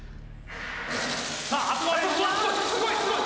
さあすごいすごい！